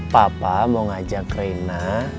papa mau ngajak rena